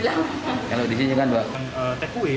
lebih lama ya